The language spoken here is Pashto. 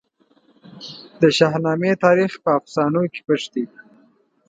د شاهنامې تاریخ په افسانو کې پټ دی.